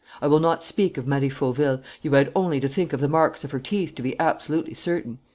I will not speak of Marie Fauville: you had only to think of the marks of her teeth to be absolutely certain.